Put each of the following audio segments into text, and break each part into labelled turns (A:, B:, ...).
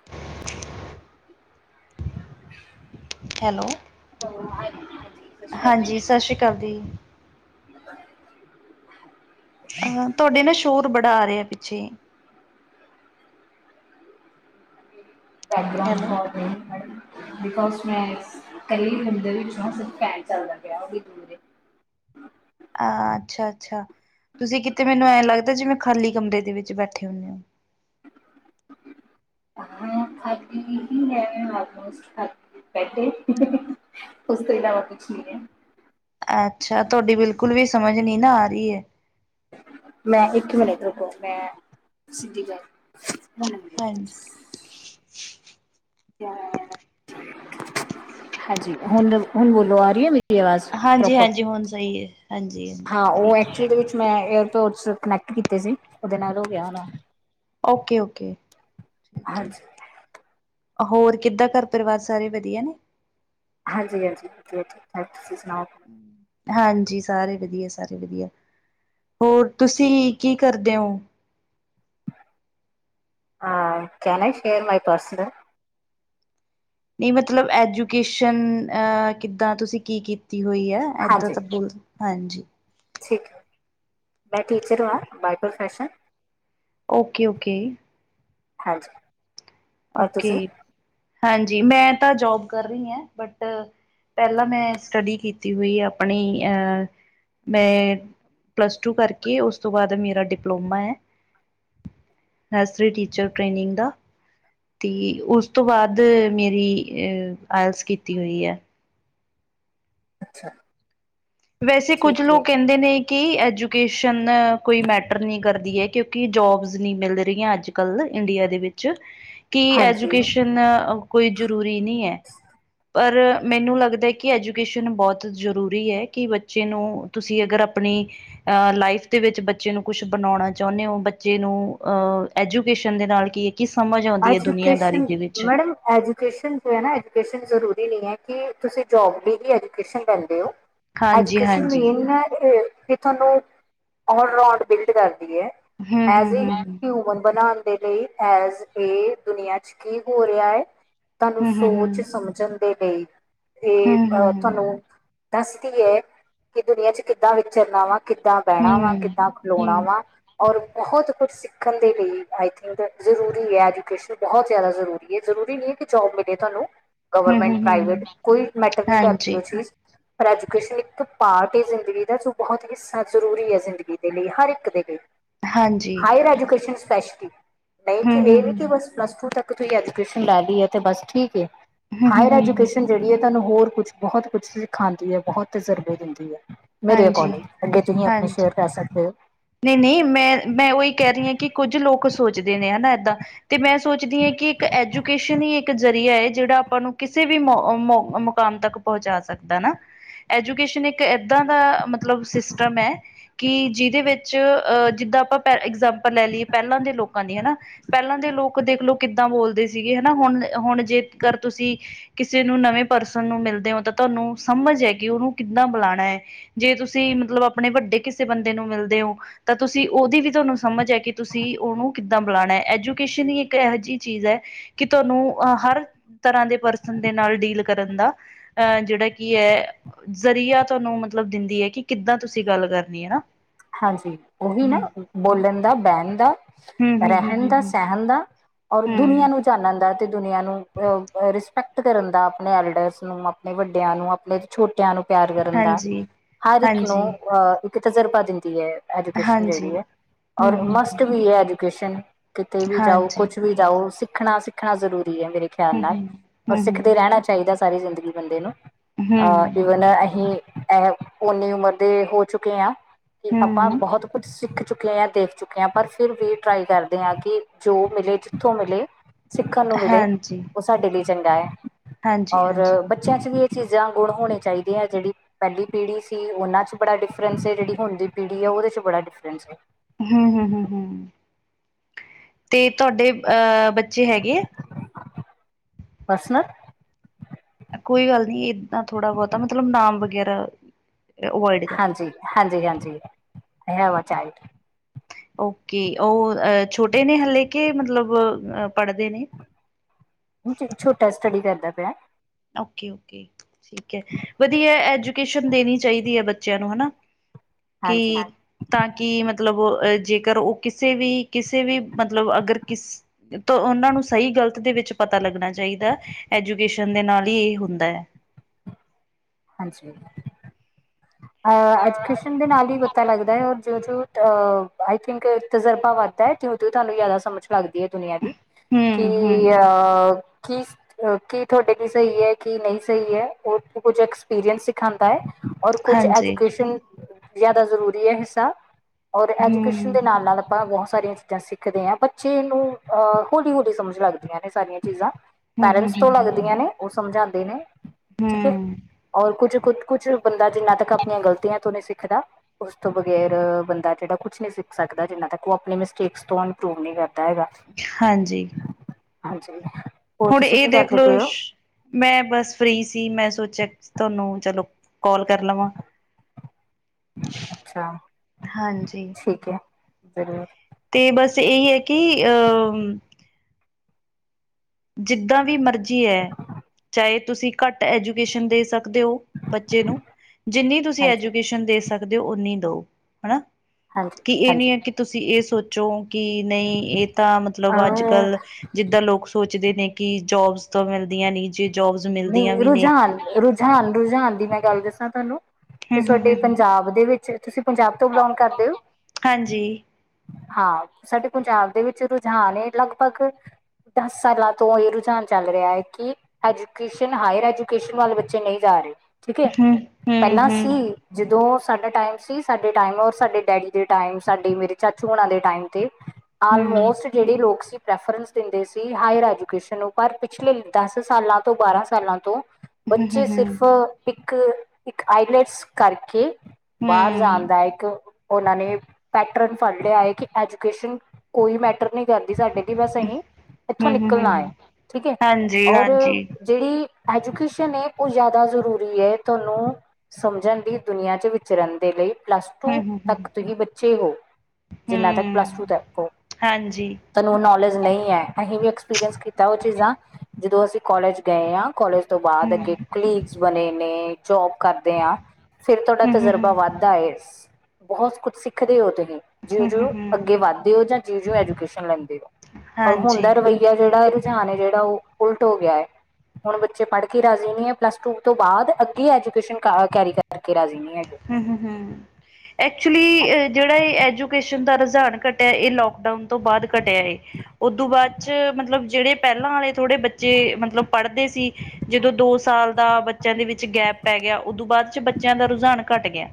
A: [inaudible]
B: [inaudible]
A: Hello.
B: ਹਾਂਜੀ
A: ਹਾਂਜੀ, ਸਾਸ ਸ੍ਰੀ ਕਾਲ ਦੀ।
B: [inaudible]
A: ਹਾਂ, ਤੁਹਾਡੇ ਨਾ ਸ਼ੋਰ ਬੜਾ ਆ ਰਿਆ ਪਿੱਛੇ। ਹੈਲੋ
B: [unintelligible] ਬਿਕੋਜ ਮੈਂ ਕੱਲੀ [unintelligible] ਚੱਲਦਾ ਪਿਆ ੳ ਵੀ ਦੂਰ ਏ।
A: ਅ ਅੱਛਾ- ਅੱਛਾ‌, ਤੁਸੀਂ ਕਿਤੇ ਮੈਨੂੰ ਐਂ ਲੱਗਦਾ ਜੇ ਮੈਂ ਖਾਲੀ ਕਮਰੇ ਦੇ ਵਿੱਚ ਬੈਠੇ ਹੁੰਨੇ ੳ
B: ਹਾਂ ਖਾਲੀ ਹੀ ਹੈ, ਆਲਮੋਸਟ ਖ [unintelligible] ੳਸ ਤੋ ਇਲਾਵਾ ਕੂਛ ਨਈ ਏ।
A: ਅੱਛਾ, ਤੁਹਾਡੀ ਬਿਲਕੁਲ ਵੀ ਸਮਝ ਨੀ ਨਾ ਆ ਰਈ ਏ।
B: ਮੈਂ ਇੱਕ ਮਿੰਟ ਰੂਕੋ, ਮੈਂ ਸਿੱਧੀ ਗੱਲ
A: ਹਾਂਜੀ।
B: ਹਾਂਜੀ, ਹੁਨ-ਹੁਨ ਬੋਲੋ ਆ ਰੀ ਏ ਮੇ ਵਾਜ਼
A: ਹਾਂਜੀ
B: ਪ੍ਰੋਪਰ,
A: ਹਾਂਜੀ ਹੁਣ ਸਹੀ ਹੈ ਹਾਂਜੀ ਹਾਂਜੀ
B: ਹਾਂ ਉ
A: ਠੀਕ ਹੈ
B: ਐਕਚੁਲੀ ਵਿੱਚ ਮੈਂ ਏਅਰਪੋਰਟਸ ਚ ਕਨੈਕਟ ਕੀਤੇ ਸੀ, ਉਦੇ ਨਾਲ ਹੋ ਗਿਆ ਹੋਣਾ
A: ਓਕੇ- ਓਕੇ, ਠੀਕ ਏ।
B: ਹਾਂਜੀ
A: ਹੋਰ ਕਿੱਦਾਂ ਘਰ ਪਰਿਵਾਰ ਸਾਰੇ ਵਧੀਆ ਨੇ?
B: ਹਾਂਜੀ ਹਾਂਜੀ ਵਧੀਆ ਤੁਸੀਂ ਸੁਣਾਓ
A: ਹਾਂਜੀ। ਸਾਰੇ ਵਧੀਆ- ਸਾਰੇ ਵਧੀਆ। ਹੋਰ ਤੁਸੀਂ ਕੀ ਕਰਦੇ ੳਂ?
B: ਹ ਕੈਨ ਈ ਸ਼ੇਰ ਮਾਈ ਪਰਸਨ
A: ਨਈ ਮਤਲਬ ਐਜੂਕੇਸ਼ਨ ਅ ਕਿੱਦਾਂ, ਤੁਸੀਂ ਕੀ ਕੀਤੀ ਹੋਈ ਏ? ਇਏਦਾਂ
B: ਹਾਂਜੀ
A: ਤਾਂ ਬੋਲ ਹਾਂਜੀ
B: ਠੀਕ ਹੈ। ਮੈਂ ਟੀਚਰ ਹਾਂ ਬਾਏ ਪਰੋਫੈਸ਼ਨ
A: ਓਕੇ-ਓਕੇ।
B: ਹਾਂਜੀ। ਔਰ
A: ਓਕੇ।
B: ਤੁਸੀਂ
A: ਹਾਂਜੀ‌। ਮੈਂ ਤਾਂ ਜੋਬ ਕਰ ਰਹੀ ਹਾਂ। ਬਟ ਪਹਿਲਾਂ ਮੈਂ ਸਟੱਡੀ ਕੀਤੀ ਹੋਈ ਹੈ। ਆਪਣੀ ਅਹ ਮੈਂ ਪਲੱਸ ਟੂ ਕਰਕੇ। ਉਸ ਤੋਂ ਬਾਅਦ ਮੇਰਾ ਡਿਪਲੋਮਾ ਏ। ਨਰਸਰੀ ਟੀਚਰ ਟ੍ਰੇਨਿੰਗ ਦਾ। ਤੇ ਉਸ ਤੋਂ ਬਾਅਦ ਮੇਰੀ ਆਇਲਸ ਕੀਤੀ ਹੋਈ ਹੈ।
B: ਅੱਛਾ।
A: ਵੈਸੇ ਕੁੱਝ
B: ਠੀਕ ਹੈ
A: ਲੋਕ ਕਹਿੰਦੇ ਨੇ ਕਿ ਐਜੂਕੇਸ਼ਨ ਕੋਈ ਮੈਟਰ ਨਹੀਂ ਕਰਦੀ ਏ ਕਿਉਂਕਿ ਜੋਬਸ ਨਹੀਂ ਮਿਲ ਰਹੀਆਂ ਅੱਜ ਕੱਲ ਇੰਡੀਆ ਦੇ ਵਿੱਚ।
B: [inaudible]
A: ਕਿ ਐਜੂਕੇਸ਼ਨ ਕੋਈ ਜ਼ਰੂਰੀ ਨਹੀਂ ਹੈ। ਪਰ ਮੈਨੂੰ ਲੱਗਦਾ। ਕਿ ਐਜੂਕੇਸ਼ਨ ਬਹੁਤ ਜ਼ਰੂਰੀ ਏ। ਕਿ ਬੱਚੇ ਨੂੰ ਤੁਸੀਂ ਅਗਰ ਆਪਣੀ ਅ ਲਾਈਫ ਦੇ ਵਿੱਚ ਬੱਚੇ ਨੂੰ ਕੁਛ ਬਣਾਉਣਾ ਚਾਹੁੰਦੇ ਹੋ ਬੱਚੇ ਨੂੰ ਅਹ ਐਜੂਕੇਸ਼ਨ ਦੇ ਨਾਲ ਕੀ ਕੀ ਸਮਝ ਆਉਂਦੀ ਏ ਦੁਨੀਆਂ ਦਾਰੀ
B: ਐਜੂਕੇਸ਼ਨ
A: ਦੇ ਵਿੱਚ।
B: ਮੈਡਮ ਐਜੂਕੇਸ਼ਨ ਜੋ ਹੈ ਨਾ। ਐਜੂਕੇਸ਼ਨ ਜ਼ਰੂਰੀ ਨਹੀਂ ਹੈ ਕਿ ਤੁਸੀਂ ਜੋਬ ਲਈ ਹੀ ਐਜੂਕੇਸ਼ਨ ਲੈਂਦੇ ਹੋ।
A: ਹਾਂਜੀ
B: ਐਜੁਕੇਸ਼ਨ
A: ਹਾਂਜੀ
B: ਮੇਨ ਹੈ ਕਿ। ਤੁਹਾਨੂੰ ਆਲਰਾਂਡ ਬਿਲਡ ਕਰਦੀ ਹੈ।
A: ਹਮ
B: as a
A: hmm hmm
B: human ਬਣਾਉਣ। ਦੇ ਲਈ ਐਜ ਇਹ ਦੁਨੀਆਂ ਚ ਕੀ ਹੋ ਰਿਹਾ ਹੈ। ਤੁਹਾਨੂੰ
A: ਹਮ ਹਮ
B: ਸੋਚ
A: ਹਮ
B: ਸਮਝਣ ਦੇ ਲਈ ਇਹ
A: ਹਮ
B: ਅ
A: ਹਮ
B: ਤੁਹਾਨੂੰ ਦੱਸਦੀ ਹੈ। ਕਿ ਦੁਨੀਆਂ ਚ ਕਿੱਦਾਂ ਵਿਚਰਨਾ ਵਾ? ਕਿੱਦਾਂ
A: ਹਮ
B: ਬਹਿਣਾ ਵਾ।
A: ਹਮ
B: ਕਿੱਦਾਂ ਖਲੋਣਾ
A: ਹਮ
B: ਵਾ। ਔਰ ਬਹੁਤ ਕੁਛ ਸਿੱਖਣ ਦੇ ਲਈ ਆਈ ਥਿੰਕ ਜ਼ਰੂਰ ਐਜੁਕੇਸ਼ਨ ਬਹੁਤ ਜ਼ਿਆਦਾ ਜ਼ਰੂਰੀ ਹੈ। ਜ਼ਰੂਰੀ ਨਹੀਂ ਹੈ ਕਿ ਜੋਬ ਮਿਲੇ ਤੁਹਾਨੂੰ ਗਵਰਮੈਂਟ
A: ਹੂੰ-ਹੂੰ-ਹੂੰ,
B: -ਪ੍ਰਾਈਵੇਟ ਕੋਈ ਮੈਟਰ ਨਹੀਂ ਕਰਦੀ।
A: ਹਾਂਜੀ-ਹਾਂਜੀ,
B: ਉਹ ਚੀਜ਼ ਪਰ ਐਜੂਕੇਸ਼ਨ ਇੱਕ ਪਾਰਟ ਏ। ਜ਼ਿੰਦਗੀ ਦਾ ਜੋ ਬਹੁਤ ਹੀ ਜ਼ਰੂਰੀ ਹੈ ਜ਼ਿੰਦਗੀ ਦੇ ਲਈ ਹਰ ਇੱਕ ਦੇ ਲਈ। ਹਾਇਰ ਐਜੂਕੇਸ਼ਨ ਸਪੈਸ਼ਲੀ ਨਹੀਂ ਕਿ ਇਹ ਨਹੀਂ ਕਿ
A: ਹੂੰ-ਹੂੰ-ਹੂੰ,
B: ਬਸ ਪਲੱਸ ਟੂ ਤੱਕ ਤੁਸੀਂ ਐਜੂਕੇਸ਼ਨ ਲੈ ਲਈਏ ਤੇ ਬਸ ਠੀਕ ਏ। ਹਾਇਰ
A: ਹੂੰ-ਹੂੰ-ਹੂੰ,
B: ਐਜੂਕੇਸ਼ਨ ਜਿਹੜੀ ਹੈ। ਤੁਹਾਨੂੰ ਹੋਰ ਕੁਛ ਬਹੁਤ ਕੁਛ ਸਿਖਾਉਂਦੀ ਹੈ। ਬਹੁਤ ਤਜਰਬੇ ਦਿੰਦੀ ਹੈ। ਮੇਰੇ ਅਕੋਡਿੰਗ।
A: ਹਾਂਜੀ-ਹਾਂਜੀ।
B: ਅੱਗੇ ਤੁਸੀਂ ਆਪਣੇ ਸ਼ੇਅਰ ਕਰ ਸਕਦੇ ਹੋ।
A: ਕਿ ਨਹੀਂ ਮੈਂ -ਮੈਂ ਉਹੀ ਕਹਿ ਰਹੀ ਹਾਂ ਕਿ ਕੁੱਝ ਲੋਕ ਸੋਚਦੇ ਨੇ ਹਨਾ ਇਏਦਾਂ। ਤੇ ਮੈਂ ਸੋਚਦੀ ਹਾਂ ਕਿ ਇੱਕ ਐਜੂਕੇਸ਼ਨ ਹੀ ਇੱਕ ਜਰੀਆ। ਜਿਹੜਾ ਆਪਾਂ ਨੂੰ ਕਿਸੇ ਵੀ ਮੋ ਮੁਕਾਮ ਤੱਕ ਪਹੁੰਚਾ ਸਕਦਾ ਨਾ ਐਜੂਕੇਸ਼ਨ ਇੱਕ ਇੱਦਾਂ ਦਾ ਮਤਲਬ ਸਿਸਟਮ ਹੈ। ਕਿ ਜਿਹਦੇ ਵਿੱਚ ਅਹ ਜਿੱਦਾਂ ਆਪਾਂ ਪ ਇਗਜਾਮਪਲ ਲੈ ਲਈਏ। ਪਹਿਲਾਂ ਦੇ ਲੋਕਾਂ ਦੀ ਹਨਾ ਪਹਿਲਾਂ ਦੇ ਲੋਕ ਦੇਖਲੋ ਕਿੱਦਾਂ ਬੋਲਦੇ ਸੀਗੇ ਹਨਾ। ਹੁਣ ਹੁਣ ਜੇਕਰ ਤੁਸੀਂ ਕਿਸੇ ਨੂੰ ਨਵੇਂ ਪਰਸਨ ਨੂੰ ਮਿਲਦੇ ਹੋ ਤਾਂ ਤੁਹਾਨੂੰ ਸਮਝ ਹੈ ਕਿ ਉਹਨੂੰ ਕਿੱਦਾਂ ਬੁਲਾਉਣਾ ਏ। ਜੇ ਤੁਸੀਂ ਮਤਲਬ ਆਪਣੇ ਵੱਡੇ ਕਿਸੇ ਬੰਦੇ ਨੂੰ ਮਿਲਦੇ ਹੋ। ਤਾਂ ਤੁਸੀਂ ਉਹਦੀ ਵੀ ਤੁਹਾਨੂੰ ਸਮਝ ਹੈ ਕਿ ਤੁਸੀਂ ਉਹਨੂੰ ਕਿੱਦਾਂ ਬੁਲਾਉਣਾ। ਐਜੂਕੇਸ਼ਨ ਹੀ ਇੱਕ ਇਹੋ ਜਿਹੀ ਚੀਜ਼ ਹੈ। ਕਿ ਤੁਹਾਨੂੰ ਹਰ ਤਰ੍ਹਾਂ ਦੇ ਪਰਸਨ ਦੇ ਨਾਲ ਡੀਲ ਕਰਨ ਦਾ ਅਹ ਜਿਹੜਾ ਕੀ ਏ ਜ਼ਰੀਆ ਤੁਹਾਨੂੰ ਮਤਲਬ ਦਿੰਦੀ ਏ। ਕਿ ਕਿੱਦਾਂ ਤੁਸੀਂ ਗੱਲ ਕਰਨੀ ਹੈਨਾ?
B: ਹਾਂਜੀ ਓਹੀ ਨਾ ਬੋਲਣ ਦਾ, ਬੈਂਣ ਦਾ।
A: ਹਮ ਹਮ ਹਮ
B: ਰੈਹਨ ਦਾ,
A: ਹਮ
B: ਸੈਹਣ ਦਾ ਔਰ ਦੁਨੀਆਂ
A: ਹਮ
B: ਨੂੰ ਜਾਨਨ ਦਾ ਤੇ ਦੁਨੀਂਆ ਨੂੰ ਰਿਸਪੈਕਟ ਕਰਨ ਦਾ, ਅਪਨੇ ਐਲਡਰਸ ਨੂੰ ਅਪਨੇ ਵੱਡਿਆਂ ਨੂੰ ਅਪਨੇ ਛੋਟਿਆਂ ਨੂੰ ਪਿਆਰ ਕਰਨ ਦਾ,
A: ਹਾਂਜੀ
B: ਹਰ ਇੱਕ ਨੂੰ
A: ਹਾਂਜੀ
B: ਅਹ ਇੱਕ ਤਜਰਬਾ ਦਿੰਦੀ ਐ। ਜੂਕੇਸ਼ਨ
A: ਹਾਂਜੀ
B: ਜੇੜਾ ਐ
A: ਹਮ
B: ਔਰ
A: ਹਮ
B: ਮਸਟ
A: ਹਮ
B: ਵੀ ਏ ਐਜੂਕੇਸ਼ਨ ਕਿਤੇ ਵੀ ਜਾਓ,
A: ਹਾਂਜੀ
B: ਕੁਛ ਵੀ ਜਾਓ ਸਿੱਖਣਾ ਸਿੱਖਣਾ ਜਰੂਰੀ ਐ ਮੇਰੇ ਖਿਆਲ
A: ਹਮ
B: ਨਾਲ
A: ਹਮ
B: ਔਰ ਸਿੱਖਦੇ
A: ਹਮ
B: ਰੈਣਾ ਚਾਈਦੈ ਸਾਰੀ ਜ਼ਿੰਦਗੀ ਬੰਦੇ ਨੂੰ
A: ਹਮ ਹਮ
B: ਅ ਈਵਨ ਅਹੀਂ ਐ ਓਨੀ ਉਮਰ ਦੇ ਹੋ ਚੁੱਕੇਆਂ ਕਿ ਆਪਾਂ
A: ਹਮ
B: ਬਹੋਤ ਕੁੱਛ ਸਿੱਖ ਚੁੱਕੇ ਆਂ, ਦੇਖ ਚੁੱਕੇ ਆਂ ਪਰ ਫਿਰ ਵੀ ਟਰਾਈ ਕਰਦੇ ਆਂ ਕਿ ਜੋ ਮਿਲੇ ਜਿੱਥੋਂ ਮਿਲੇ ਸਿੱਖਣ ਨੂੰ ਮਿਲੇ
A: ਹਾਂਜੀ
B: ਓ ਸਾਡੇ ਲਈ ਚੰਗਾ ਐ
A: ਹਾਂਜੀ
B: ਓਰ
A: ਹਾਂਜੀ
B: ਬੱਚੇਆਂ ਚ ਵੀ ਐ ਚੀਜ਼ਾਂ ਗੁਣ ਹੋਣੀ ਚਾਈਦੀਆਂ, ਜੇੜੀ ਪੈਲੀ ਪੀੜ੍ਹੀ ਸੀ ਓਨਾਂ ਚ ਬੜਾ ਡਿਫਰੈਂਸ ਐ, ਜੇੜੀ ਹੁਨ ਦੀ ਪੀੜ੍ਹੀ ਐ, ਓਦੇ ਚ ਬੜਾ ਡਿਫਰੈਂਸ ਐ।
A: ਹੂੰ, ਹੂੰ-ਹੂੰ, ਹੂੰ ਤੇ ਤੁਆਡੇ ਅਹ ਬੱਚੇ ਹੈਗੇ ਆ?
B: ਪਰਸਨਲ?
A: ਕੋਈ ਗੱਲ ਨੀ ਏਦਾਂ ਥੋੜਾ ਬੋਤਾ, ਮਤਲਬ ਨਾਮ ਵਗੈਰਾ। ਅਵੋਇਡ ਕਰ
B: ਹਾਂਜੀ-ਹਾਂਜੀ, ਹਾਂਜੀ ਹੈ ਵਾ ਚਾਈਲਡ।
A: ਓਕੇ, ਔਰ ਛੋਟੇ ਨੇ ਹਲੇੇ ਕਿ ਮਤਲਬ ਪੜਦੇ ਨੇ?
B: ਛੋਟਾ ਸਟੱਡੀ ਕਰਦਾ ਪੇਆ।
A: ਓਕੇ-ਓਕੇ ਠੀਕੈ, ਵਧੀਆ ਐਜੂਕੇਸ਼ਨ ਦੇਣੀ ਚਾਈਦੀ ਐ ਬੱਚੇਆਂ ਨੂੰ ਹਨਾ,
B: ਹਾਂਜੀ
A: ਕਿ ਤਾਂ ਕਿ ਮਤਲਬ ਜੇਕਰ ਉ ਕਿਸੇ ਵੀ, ਕਿਸੇ ਵੀ, ਮਤਲਬ ਅਗਰ ਕਿਸ ਤੇ ਓਨਾਂ ਨੂੰ ਸਈ ਗਲਤ ਦੇ ਵਿੱਚ ਪਤਾ ਲੱਗਣਾ ਚਾਈਦੈ, ਐਜੂਕੇਸ਼ਨ ਦੇ ਨਾਲ। ਵੀ ਹੁੰਦੈ।
B: ਹਾਂਜੀ। ਅ ਐਜੂਕੇਸ਼ਨ ਦੇ ਨਾਲ ਈ ਪਤਾ ਲੱਗਦੈ ਜਿਉਂ-ਜਿਉਂ ਅਹ ਆਈ ਥਿੰਕ ਤਜਰਬਾ ਵੱਧਦੈ, ਤਿਉਂ-ਤਿਓ ਤੁਆਨੂੰ ਜਾਦਾ ਸਮਝ ਲੱਗਦੀ ਐ ਦੁਨੀਆਂ ਦੀ, ਕਿ
A: ਹਮ ਹਮ
B: ਅਹ ਕੀ ਕੀ ਤੁਆਡੇ ਲਈ ਸਈ ਐ, ਕੀ ਨਈਂ ਸਈ ਐ, ਓ ਕੁੱਝ ਐਕਸਪੀਰੀਅੰਸ ਸਿਖਾਦਾ ਐ ਔਰ ਕੁਛ
A: ਹਾਂਜੀ
B: ਐਜੂਕੇਸ਼ਨ ਜਾਦਾ ਜਰੂਰੀ ਐ, ਹਿੱਸਾ ਔਰ ਐਜੂਕੇਸ਼ਨ
A: ਹਮ
B: ਦੇ ਨਾਲ-ਨਾਲ ਆਪਾਂ ਬਹੁਤ ਸਾਰੀਆਂ ਚੀਜ਼ਾਂ ਸਿੱਖ ਖਦੇ ਆ ਬੱਚੇ ਨੂੰ ਅ ਹੌਲੀ-ਹੌਲੀ ਸਮਝ ਲੱਗਦੀਆਂ ਨੇ ਸਾਰੀਆਂ ਚੀਜ਼ਾਂ।
A: ਹਮ ਹਮ
B: ਪੈਰੈਂਟਸ ਤੋਂ
A: ਹਮ
B: ਲੱਗਦੀਆਂ ਨੇ ਓ ਸਮਝਾਦੇ ਨੇ ਠੀਕੈ
A: ਹੂੰ,
B: ਔਰ ਕੁਝ-ਕੁਝ ਕੁੱਛ ਬੰਦਾ ਜਿੰਨਾ ਤੱਕ ਅਪਨੀਆਂ ਗਲਤੀਆਂ ਤੋਂ ਨਈਂ ਸਿੱਖਦਾ ਉਸ ਤੋਂ ਬਗ਼ੈਰ ਬੰਦਾ ਜੇੜਾ ਕੁਛ ਨਈਂ ਸਿੱਖ ਸਕਦਾ, ਜਿੰਨਾ ਤੱਕ ਓ ਅਪਨੇ ਮਿਸਟੇਕਸ ਤੋਂ ਇੰਪਰੂਵ ਨਈਂ ਕਰਦਾ ਹੈਗਾ।
A: ਹਾਂਜੀ।
B: ਹਾਂਜੀ। ਹੋਰ
A: ਹੁਣ
B: ਤੁਸੀਂ
A: ਏ
B: ਕੀ ਕਰਦੇ
A: ਦੇਖਲੋ
B: ਪਏ ਹੋ
A: ਮੈਂ ਬਸ ਫ੍ਰਰੀ ਸੀ, ਮੈਂ ਸੋਚਿਆ ਤੁਆਨੂੰ ਚਲੋ ਕੋਲ ਕਰ ਲਵਾਂ।
B: ਅੱਛਾ,
A: ਹਾਂਜੀ।
B: ਠੀਕ ਏ ਫੇਰ
A: ਤੇ ਬਸ ਏਹੀ ਹੈ ਕਿ 'ਅਹ ਜਿੱਦਾਂ ਵੀ ਮਰਜੀ ਏ ਚਾਏ ਤੁਸੀਂ ਘੱਟ ਐਜੂਕੇਸ਼ਨ ਦੇ ਸਕਦੇ ਓ ਬੱਚੇ ਨੂੰ, ਜਿੰਨੀ ਤੁਸੀਂ
B: ਹਾਂਜੀ
A: ਐਜੂਕੇਸ਼ਨ ਦੇ ਸਕਦੇ ਓ, ਓਨੀ ਦਿਓ, ਹਨਾ।
B: ਹਾਂਜੀ।
A: ਕਿ ਏਨੀ ਐ
B: ਹਾਂਜੀ
A: ਕਿ ਤੁਸੀ ਏ ਸੋਚੋ ਕਿ ਨਈਂ, ਏਤਾਂ ਮਤਲਬ
B: ਅਹ
A: ਅੱਜ-ਕੱਲ ਜਿੱਦ ਤਾਂ ਲੋਕ ਸੋਚਦੇ ਨੇ ਕਿ ਜੋਬਸ ਤਾਂ ਮਿਲਦੀਆਂ ਨੀ, ਜੇ ਜੋਬਸ ਮਿਲ
B: ਰੁਝਾਨ, ਰੁਝਾਨ, ਰੁਝਾਨ ਦੀ ਮੈਂ ਗੱਲ ਦੱਸਾਂ ਤੁਆਨੂੰ ਤੇ ਸਾਡੇ
A: ਹੂੰ-ਹੂੰ-ਹੂੰ,
B: ਪੰਜਾਬ ਦੇ ਵਿੱਚ, ਤੁਸੀਂ ਪੰਜਾਬ ਤੋਂ ਬਿਲੋਂਗ ਕਰਦੇ ਓ?
A: ਹਾਂਜੀ।
B: 'ਹਾਂ ਸਾਡੇ ਪੰਜਾਬ ਦੇ ਵਿੱਚ ਰੁਝਾਨ ਨੇ ਲਗਭਗ ਦਸ ਸਾਲਾਂ ਤੋਂ ਏ ਰੁਝਾਨ ਚੱਲ ਰਯਾ ਐ ਕਿ ਅੱਜ [unintelligible] ਹਾਇਰ ਐਜੂਕੇਸ਼ਨ ਵੱਲ ਬੱਚੇ ਨੀ ਜਾ ਰੇ, ਠੀਕ ਐ
A: ਹਾਂਜੀ
B: ਪੈਲਾਂ ਸੀ। ਜਦੋਂ ਸਾਡਾ ਟਾਈਮ ਸੀ, ਸਾਡੇ ਟਾਈਮ ਔਰ ਸਾਡੇ ਡੈਡੀ ਦੇ ਟਾਈਮ, ਸਾਡੇ ਮੇਰੇ ਚਾਚੂ ਹੁਣਾ ਦੇ ਟਾਈਮ 'ਤੇ ਆਲਮੋਸਟ ਜੇੜੇ ਲੋਕ ਸੀ ਰੈਫਰੈਂਸ ਦਿੰਦੇ ਸੀ, ਹਾਇਰ ਐਜੂਕੇਸ਼ਨ ਨੂੰ, ਪਰ ਪਿਛਲੇ ਦਸ ਸਾਲਾਂ ਤੋਂ, ਬਾਰਾਂ ਸਾਲਾਂ ਤੋਂ ਬੱਚੇ ਸਿਰਫ ਇੱਕ, ਇੱਕ ਆਈਲੈਟਸ ਕਰਕੇ ਬਾਰ ਜਾਨ ਦਾ ਇੱਕ ਓਨਾਂ ਨੇ ਪੈਟਰਨ ਫੜ ਲਯਾ ਐ ਕਿ ਐਜੂਕੇਸ਼ਨ ਕੋਈ ਮੈ ਟਰ ਨਈ ਕਰਦੀ ਸਾਡੇ ਲਈ ਬਸ ਅਹੀ ਐਥੋਂ ਨਿਕਲਨਾ ਆਏ ਠੀਕ ਐ ਔਰ
A: ਹਾਂਜੀ
B: ਜੇੜੀ ਐਜੂਕੇਸ਼ਨ ਏ ਓ ਜਾਦਾ ਜ਼ਰੂਰੀ ਏ, ਤੁਆਨੂੰ ਸਮਝਣ ਦੀ, ਦੁਨੀਆਂ 'ਚ ਵਿਚਰਨ ਦੇ ਲਈ, ਪਲਸ ਟੂ ਤੱਕ
A: ਹੂੰ
B: ਤੁਸੀਂ ਬੱਚੇ ਹੋ, ਜਿੰਨਾ ਤੱਕ ਪਲੱਸ ਟੂ ਤੱਕ ਹੋ।
A: ਹਾਂਜੀ
B: ਤਾਨੂੰ ਨੌਲੇਜ ਨਈ ਐ, ਅਸੀਂ ਵੀ ਐਕਸਪੀਰੀਅੰਸ ਕੀਤਾ ਓ ਚੀਜ਼ਾਂ ਜਦੋਂ ਅਸੀਂ ਕਾਲਜ ਗਏ ਆਂ, ਕੋਲਜ- ਤੋਂ ਬਾਦ ਅੱਗੇ ਕੁਲੀਗਸ ਬਨੇ ਨੇ। ਜੋਬ ਕਰਦੇ ਆਂ ਫਿਰ ਤੁਆਡਾ ਤਜਰਬਾ ਵੱਧਦਾ ਏ। ਬੋਹਤ ਕੁਛ ਸਿੱਖਦੇ ਓ ਤੁਸੀ। ਜ਼ਿਓਂ-ਜਿਓਂ ਅੱਗੇ ਵੱਧਦੇ ਓ ਜਾਂ ਜਿਓਂ-ਜਿਓਂ ਐਜੂਕੇਸ਼ਨ ਲੈਂਦੇ ਓ ਔਰ
A: ਹਾਂਜੀ
B: ਹੁੰਨਦਾ ਰਵੱਈਆ- ਯਾ ਜੇੜਾ ਰੁਝਾਨ ਏ ਜੇੜਾ ਓ ਉਲਟ ਓ ਗਯਾ ਐ। ਹੁਣ ਬੱਚੇ ਪੜ੍ਹ ਕੇ ਰਾਜ਼ੀ ਨੀ ਐ ਪਲੱਸ ਟੂ ਤੋਂ ਬਾਦ ਅੱਗੇ ਐਜੂਕੇਸ਼ਨ ਕਰ ਕੈਰੀ ਕਰਕੇ ਰਾਜ਼ੀ ਨੀ ਹੈਗੇ।
A: ਹੂੰ, ਹੂੰ, ਹੂੰ, ਐਕਚੁਲੀ
B: ਹਾਂਜੀ
A: ਏ ਜੇੜਾ ਏ ਐਜੂਕੇਸ਼ਨ ਦਾ ਰਝਾਨ ਘੱਟਿਆ, ਏ ਲੋਕਡਾਊਨ- ਤੋਂ ਬਾਦ ਘਟਿਆ ਏ, ਓਦੂੰ ਬਾਦ 'ਚ ਮਤਲਬ ਜੇੜੇ ਪੈਲਾਂ ਆਲੇ ਥੋੜੇ ਬੱਚੇ ਮਤਲਬ ਪੜ੍ਹਦੇ ਸੀ, ਜਦੋਂ ਦੋ ਸਾਲ ਦਾ ਬਚ ਚੇਆਂ ਦੇ ਵਿੱਚ ਗੈਪ ਪੈ ਗਯਾ, ਓਦੂੰ ਬਾਦ 'ਚ ਬੱਚੇਆਂ ਦਾ ਰੁਝਾਨ ਘੱਟ ਗਿਆ।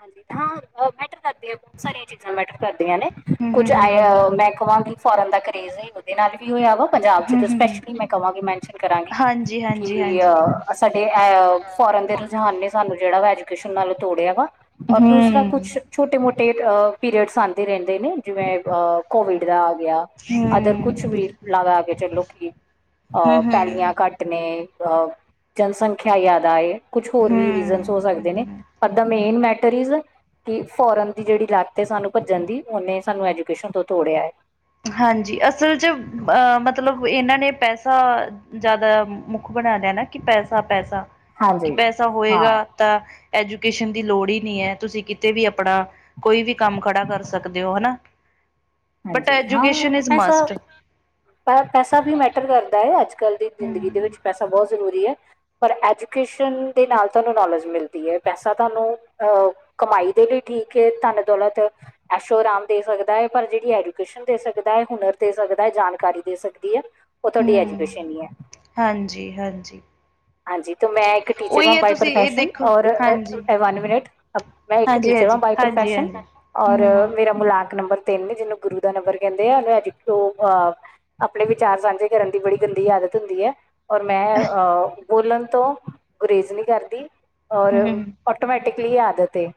B: ਹਾਂਜੀ ਹਾਂ ਮੈਟਰ ਕਰਦੀਆਂ, ਬੋਤ ਸਾਰੀਆਂ ਚੀਜ਼ਾਂ ਮੈਟਰ ਕਰਦੀਆਂ ਨੇ।
A: ਹੂੰ ਹੂੰ
B: ਕੁੱਝ
A: ਹੂੰ
B: ਆਏ
A: ਹੂੰ
B: ਮੈਂ- ਕਵਾਂ ਗੀ ਫੋਰਨ ਦਾ ਕਰੇਜ਼, ਓਦੇ ਨਾਲ ਵੀ ਹੋਇਆ ਵਾ। ਪੰਜਾਬ 'ਚ
A: ਹੂੰ
B: ਤੇ
A: ਹੂੰ ਹੂੰ
B: ਸਪੈਸ਼ਲੀ ਮੈਂ ਕਵਾਂਗੀ, ਮੈਨਸ਼ਨ ਕਰਾਂਗੀ
A: ਹਾਂਜੀ ਹਾਂਜੀ
B: ਕਿ
A: ਹਾਂਜੀ
B: ਆ- ਆ ਸਾਡੇ ਐ ਫੋਰਨ ਦੇ ਰੁਝਾਨ ਨੇ ਸਾਨੂੰ ਜੇੜਾ ਵਾ ਐਜੂਕੇਸ਼ਨ ਨਾਲ ਤੋੜਿਆ ਵਾ। ਔਰ
A: ਹੂੰ
B: ਦੂਸਰਾ ਕੁੱਛ
A: ਹੂੰ
B: ਛੋਟੇ-ਮੋਟੇ ਆ ਪੀਰੀਅਡਸ ਆਂਦੇ ਰੈਂਦੇ ਨੇ, ਜਿਵੇਂ ਆ ਕੋਵਿਡ ਦਾ ਆ ਗਯਾ। ਅਦਰ ਕੁਛ
A: ਹੂੰ
B: ਵੀ ਲਗਾ ਕੇ ਚੱਲੋ ਕੀ ਅਹ
A: ਹੂੰ
B: ਪੈਲੀਆਂ ਘੱਟ ਟ ਨੇ ਅਹ ਜਨਸੰਖਿਆ ਜਾਦਾ ਏ। ਕੁਛ ਹੋਰ ਵੀ ਰੀਜ਼ਨਸ ਹੋ
A: ਹੂੰ
B: ਸਕਦੇ ਨੇ
A: ਹੂੰ
B: ਪਰ ਦਾ ਮੇਨ ਮੈ ਟਰ ਇਜ ਕੀ ਫੋਰਨ ਦੀ ਜੇੜੀ ਲਤ ਏ ਸਾਨੂੰ ਭੱਜਣ ਦੀ, ਓਨੇ ਸਾਨੂੰ ਐਜੂਕੇਸ਼ਨ ਤੋਂ ਤੋੜਿਆ ਐ।
A: ਹਾਂਜੀ ਅਸਲ 'ਚ ਅ ਮਤਲਬ ਏਨਾਂ ਨੇ ਪੈਸਾ ਜਾਦਾ ਮੁੱਖ ਬਣਾ ਲਯਾ ਨਾ ਕਿ ਪੈਸਾ-ਪੈਸਾ ਕੀ
B: ਹਾਂਜੀ।
A: ਪੈਸਾ
B: ਹਾਂ
A: ਹੋਏਗਾ ਤਾਂ ਐਜੂਕੇਸ਼ਨ ਦੀ ਲੋੜ ਈ ਨੀ ਐ। ਤੁਸੀਂ ਕਿਤੇ ਵੀ ਅਪਣਾ ਕੋਈ ਵੀ ਕੰਮ ਖੜਾ ਕਰ ਸਕਦੇ ਓ, ਹਨਾ। ਬਟ
B: ਹਾਂਜੀ ਹਾਂ
A: ਐਜੂਕੇਸ਼ਨ ਇਜ਼
B: ਪੈਸਾ
A: ਮਸਟ
B: ਪ ਪੈਸਾ ਵੀ ਮੈਟਰ ਕਰਦਾ ਏ। ਅੱਜ-ਕੱਲ ਦੀ ਜ਼ਿੰਦਗੀ ਦੇ
A: ਹੂੰ
B: ਵਿੱਚ ਪੈਸਾ ਬੋਤ ਜ਼ਰੂਰੀ ਐ। ਪਰ ਐਜੂਕੇਸ਼ਨ ਦੇ ਨਾਲ ਤਾਨੂੰ ਨੌਲੇਜ ਮਿਲਦੀ ਐ ਪੈਸਾ ਤਾਨੂੰ- ਕਮਾਈ ਦੇ ਲਈ ਠੀਕ ਏ ਧੰਨ ਦੌਲਤ ਐਸ਼ੋ -ਆਰਾਮ ਦੇ ਸਕਦਾ ਏ। ਪਰ ਜੇੜੀ ਐਜੂਕੇਸ਼ਨ ਦੇ ਸਕਦਾ ਏ, ਹੁਨਰ ਦੇ ਸਕਦਾ ਏ, ਜਾਣਕਾਰੀ ਦੇ ਸਕਦੀ ਏ। ਓ ਤੁਆਡੀ
A: ਹੂੰ
B: ਐਜੂਕੇਸ਼ਨ ਈ ਐ।
A: ਹਾਂਜੀ ਹਾਂਜੀ
B: ਹਾਂਜੀ ਤੇ ਮੈਂ- ਟੀਚਰ ਆਂ
A: ਉਹੀ ਹੈ
B: ਬਾਏ
A: ਤੁਸੀਂ ਇਹ
B: ਪ੍ਰੋਫੈਸ਼ਨ।
A: ਦੇਖੋ
B: ਔਰ
A: ਹਾਂਜੀ
B: ਵਨ ਮਿੰਟ ਮੈਂ ਇੱਕ
A: ਹਾਂਜੀ
B: ਟੀਚਰ ਵਾ
A: ਹਾਂਜੀ
B: ਬਾਏ
A: ਹਾਂਜੀ
B: ਪ੍ਰੋਫੈਸ਼ਨ।
A: ਹਾਂਜੀ
B: ਔਰ
A: ਹਮ
B: ਮੇਰਾ ਮੁਲਾਕ ਨੰਬਰ ਤਿੰਨ। ਜਿਨੂੰ ਗੁਰੂ ਦਾ ਨੰਬਰ ਕੈਂਦੇ ਆ। ਅੱਜ ਓ ਅਹ- ਆਪਣੇ ਵਿਚਾਰ ਸਾਂਝੇ ਕਰਨ ਦੀ ਬੜੀ ਗੰਦੀ ਆਦਤ ਹੁੰਦੀ ਐ। ਔਰ ਮੈਂ ਅਹ ਬੋਲਣ ਤੋਂ ਗੁਰਰੇਜ਼ ਨੀ ਕਰਦੀ। ਔਰ-
A: ਹਮ
B: ਓਟੋਮੈਟਿਕਲੀ ਆਦਤ ਏ।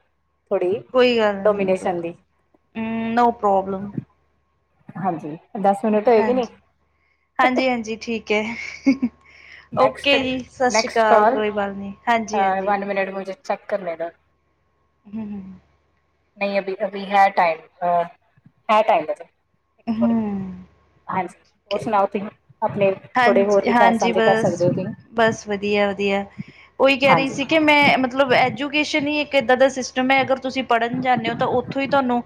A: ਕੋਈ ਗੱਲ ਨੀ। ਕੋਈ
B: ਦੀ
A: ਗੱਲ- ਅਮ ਨੋ ਪ੍ਰੋਬਲਮ।
B: ਹਾਂਜੀ ਦਸ ਮਿੰਟ
A: ਹਾਂਜੀ- ਹਾਂਜੀ ਹਾਂਜੀ ਠੀਕ ਐ। ਓਕੇ ਜੀ ਸਸਰੀ ਕਾਲ। ਕੋਈ ਗੱਲ ਨੀ ਹਾਂਜੀ -ਹਾਂਜੀ।
B: [unintelligible] ਚੱਕਰ ਨੇ ਏਦਾਂ।
A: [inaudible]
B: ਨਹੀਂ ਅਭੀ ਅਭੀ ਹੈ ਟਾਈਮ। ਆ ਹੈ ਟਾਈਮ। ਇੱਕ ਥੋੜੀ-
A: ਹਮ
B: ਹਾਂਜੀ ਹੋਰ
A: ਓਕੇ
B: ਸੁਣਾਓ ਤੁਸੀਂ ਆਪਣੇ- ਥੋੜੇ ਹੋਰ
A: ਹਾਂਜੀ
B: ਵਿਚਾਰ
A: ਹਾਂਜੀ
B: ਸਾਂਝੇ ਕਰ ਸਕਦੇ
A: ਵਧ-
B: ਹੋ ਤੁਸੀਂ
A: ਬਸ ਵਧੀਆ ਵਧੀਆ ਓਈ ਕਹਿ ਰਹੀ
B: ਹਾਂਜੀ
A: ਸੀ ਕਿ ਮੈਂ ਮਤਲਬ ਐਜੂ- ਐਜੂਕੇਸ਼ਨ ਈ ਇੱਕ ਏਦਾਂ ਦਾ ਸਿਸਟਮ ਐ। ਅਗਰ ਤੁਸੀਂ ਪੜ੍ਹਨ ਜਾਂਦੇ ਓ ਤਾਂ ਓਥੋਂ ਈ ਤਾਨੂੰ-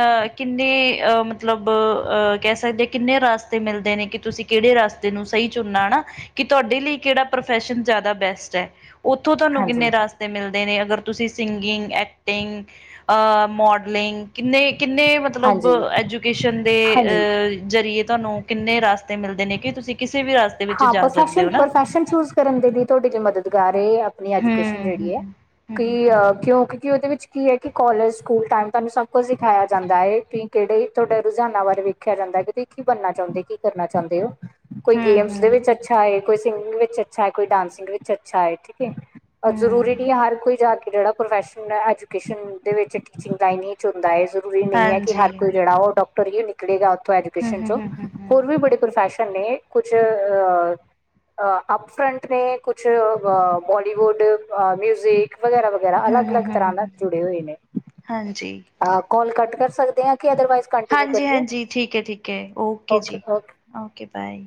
A: ਅਹ ਕਿੰਨੇ ਅਹ ਮਤਲਬ ਅਹ ਕਹਿ ਸਕਦੇ, ਕਿੰਨੇ ਰਾਸਤੇ ਮਿਲਦੇ ਨੇ ਕਿ ਤੁਸੀਂ ਕੇੜੇ ਰਾਸਤੇ- ਤੇਨੂੰ ਸਈ ਚੁਣਨਾ ਨਾ ਕੀ ਤੁਆਡੇ ਲਈ ਕੇੜਾ ਪ੍ਰੋਫੈਸ਼ਨ ਜਾਦਾ ਬੈਸਟ ਐ। ਓਥੋਂ ਤਾਨੂੰ ਕਿੰਨੇ
B: ਹਾਂਜੀ
A: ਰਾਸਤੇ ਮਿਲਦੇ ਨੇ। ਅਗਰ ਤੁਸੀਂ ਸਿੰਗਿੰਗ, ਐਕਟਿੰਗ- ਅ ਮੋਡਲਿੰਗ। ਕਿੰਨੇ- ਕਿੰਨੇ ਮਤ- ਮਤਲਬ
B: ਹਾਂਜੀ
A: ਐਜੂਕੇਸ਼ਨ ਦੇ
B: ਹਾਂਜੀ
A: ਅ ਜ਼ਰੀਏ ਤੁਆਨੂੰ ਕਿੰਨੇ ਰਾਸਤੇ ਮਿਲਦੇ ਨੇ ਕੀ ਤੁਸੀਂ- ਕਿਸੇ ਵੀ ਰਾਸਤੇ-
B: ਹਾਂ ਪ੍ਰਫੈਸ਼ਨ ਪ੍ਰਫੈਸ਼ਨ ਚੂਜ਼- ਕਰਨ ਦੇ ਵੀ ਤੁਆਡੀ ਕੀ ਮਦਦਗਾਰ ਏ। ਆਪਣੀ
A: ਹੂੰ,
B: ਐਜੂਕੇਸ਼ਨ ਜੇੜੀ
A: ਹੂੰ,
B: ਏ
A: ਹੂੰ, ਹੂੰ,
B: ਕੀ
A: ਹੂੰ,
B: ਕਿਉਂਕਿ ਕੀ ਓਦੇ ਵਿੱਚ- ਕੀ ਐ ਕੀ ਕੋਲਜ, ਸਕੂਲ ਟਾਈਮ ਤਾਨੂੰ ਸਭ ਕੁੱਝ ਸਿਖਾਇਆ ਜਾਂਦਾ ਏ ਕੀ ਕੇੜੇ ਤੁਆਡੇ ਰੁਝਾਨਾਂ ਬਾਰੇ ਵੇਖਿਆ ਜਾਂਦਾ ਐ ਕਿ ਤੁ- ਕੀ ਬਣਨਾ ਚਾਹੁੰਦੇ? ਕੀ ਕਰਨਾ ਚਾਹੁੰਦੇ ਓ? ਕੋਈ
A: ਹੂੰ,
B: ਗੇਮਸ-
A: ਹੂੰ,
B: ਵਿਚ ਅੱਛਾ ਏ। ਕੋਈ ਸਿੰਗਿੰਗ ਵਿੱਚ ਅੱਛਾ ਏ। ਕੋਈ ਡਾਂਸਿੰਗ ਵਿੱਚ ਅੱਛਾ ਐ। ਠੀਕ ਏ। ਔਰ ਜ਼ਰੂਰੀ ਨੀ
A: ਹੂੰ।
B: ਆ ਹਰ ਕੋਈ ਜਾ ਕੇ ਜੇੜਾ ਪ੍ਰੋਫੈਸ਼ਨ, ਐਜੂਕੇਸ਼ਨ ਦੇ ਵਿੱਚ ਟੀਚਿੰਗ ਲਾਈਨ ਈ- 'ਚ ਹੁੰਦਾ ਹੈ ਜ਼ਰੂਰੀ ਨੀ ਐ ਕਿ
A: ਹਾਂਜੀ,
B: ਹਰ ਕੋਈ ਜੇੜਾ ਓ ਡਾਕਟਰ ਹੀ ਨਿਕਲੇਗਾ ਓਥੋਂ
A: ਹੂੰ,
B: ਐਜੂਕੇਸ਼ਨ
A: ਹੂੰ,
B: 'ਚੌਂ।
A: ਹੂੰ, ਹੂੰ, ਹੂੰ,
B: ਹੋਰ ਵੀ ਬੜੇ ਪ੍ਰਫੈਸ਼ਨ ਨੇ। ਕੁਛ ਅ ਅ- ਅ ਆਪ ਫਰੰਟ ਨੇ। ਕੁਛ ਅ ਬੋਲੀਵੁੱਡ, ਅ ਮਿਊਜ਼ਿਕ ਵਗੈਰਾ ਵਗੈ- ਵਗੈਰਾ।
A: ਹੂੰ,
B: ਅਲੱਗ
A: ਹੂੰ,
B: ਅਲੱਗ
A: ਹੂੰ,
B: ਤਰ੍ਹਾਂ
A: ਹੂੰ,
B: ਨਾਲ
A: ਹੂੰ।
B: ਜੁੜੇ ਹੋਏ ਨੇ।
A: ਹਾਂਜੀ
B: ਅ ਕੋਲ ਕੱਟ ਕਰ ਸਕਦੇ ਆਂ ਕਿ ਅਦਰਵਾਈਜ਼- ਕੰਟੀਨਿਊ
A: ਹਾਂਜੀ
B: ਕਰੀਏ
A: ਹਾਂਜੀ ਠੀਕ ਏ -ਠੀਕ ਏ। ਓਕੇ ਜੀ- ਓਕੇ ਬਾਏ।